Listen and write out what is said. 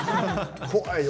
怖い。